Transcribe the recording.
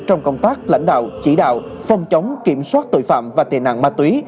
trong công tác lãnh đạo chỉ đạo phòng chống kiểm soát tội phạm và tiền nạn ma túy